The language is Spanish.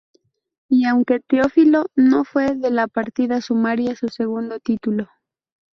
Y aunque Teófilo no fue de la partida, sumaría su segundo título.